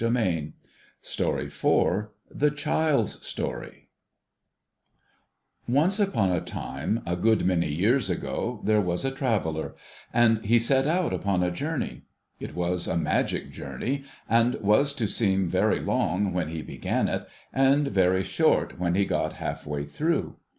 ' THE CHILD'S STORY THE child's story Once upon a time, a good many years ago, there was a traveller, and he set out upon a journey. It was a magic journey, and was to seem very long when he began it, and very short when he got half way through.